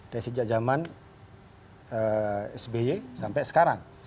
dari sejak zaman sby sampai sekarang